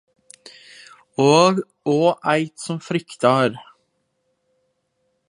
Og og eit som fryktar